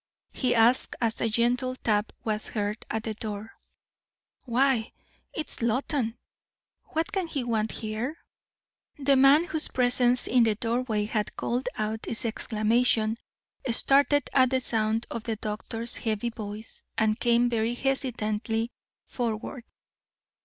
he asked as a gentle tap was heard at the door. "Why, it's Loton. What can he want here?" The man whose presence in the doorway had called out this exclamation started at the sound of the doctor's heavy voice, and came very hesitatingly forward.